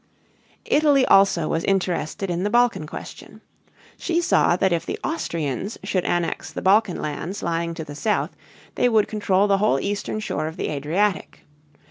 Italy also was interested in the Balkan question. She saw that if the Austrians should annex the Balkan lands lying to the south they would control the whole eastern shore of the Adriatic.